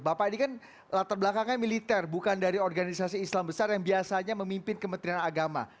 bapak ini kan latar belakangnya militer bukan dari organisasi islam besar yang biasanya memimpin kementerian agama